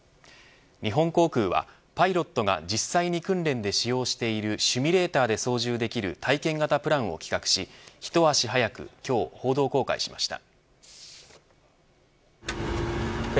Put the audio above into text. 日本航空はパイロットが実際に訓練で使用しているシミュレーターで操縦できる体験型プランを企画し一足早く今日、報道公開しました。